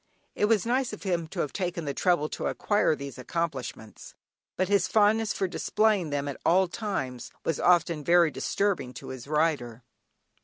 It was nice of him to have taken the trouble to acquire these accomplishments, but his fondness for displaying them at all times was often very disturbing to his rider.